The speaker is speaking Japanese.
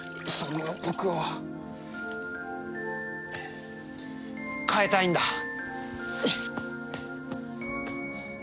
そんな僕を変えたいんだ。